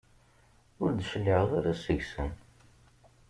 Ur d-tecliɛeḍ ara seg-sen.